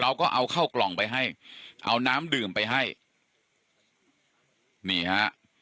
เราก็เอาเข้ากล่องไปให้เอาน้ำดื่มไปให้นี่ฮะ